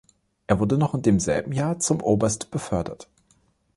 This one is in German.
Er wurde noch in demselben Jahr zum Oberst befördert.